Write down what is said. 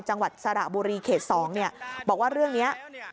จังหวัดสระบุรีเขต๒บอกว่าเรื่องนี้